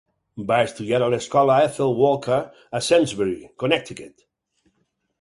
Va estudiar a l'escola Ethel Walker, a Simsbury, Connecticut.